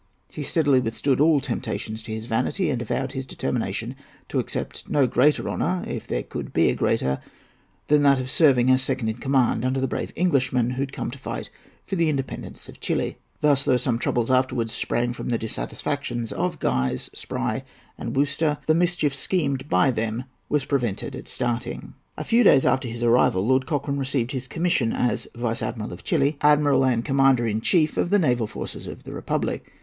He steadily withstood all temptations to his vanity, and avowed his determination to accept no greater honour—if there could be a greater—than that of serving as second in command under the brave Englishman who had come to fight for the independence of Chili. Thus, though some troubles afterwards sprang from the disaffections of Guise, Spry, and Worcester, the mischief schemed by them was prevented at starting. A few days after his arrival Lord Cochrane received his commission as "Vice Admiral of Chili, Admiral, and Commander in Chief of the Naval Forces of the Republic."